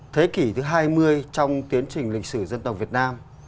thế kỷ thứ hai mươi trong tiến trình lịch sử dân tộc việt nam